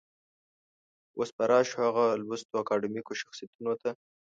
اوس به راشو هغه لوستو اکاډمیکو شخصيتونو ته.